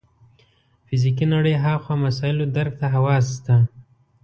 فزیکي نړۍ هاخوا مسایلو درک ته حواس شته.